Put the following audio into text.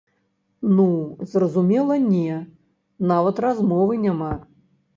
Ну, зразумела, не, нават размовы няма.